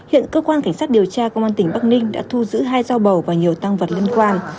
hiện cơ quan cảnh sát điều tra công an tỉnh bắc ninh đã thu giữ hai dao bầu và nhiều tăng vật liên quan